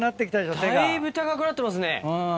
だいぶ高くなってますね。